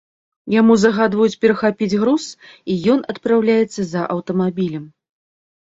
Яму загадваюць перахапіць груз, і ён адпраўляецца за аўтамабілем.